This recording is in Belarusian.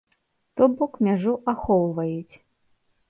То бок, мяжу ахоўваюць.